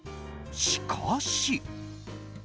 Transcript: しかし。